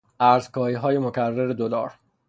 ارزکاهیهای مکرر دلار